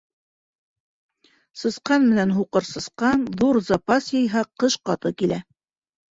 Сысҡан менән һуҡыр сысҡан ҙур запас йыйһа, ҡыш ҡаты килә.